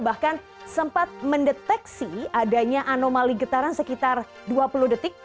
bahkan sempat mendeteksi adanya anomali getaran sekitar dua puluh detik